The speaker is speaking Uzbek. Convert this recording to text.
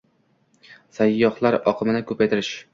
sayyohlar oqimini ko‘paytirish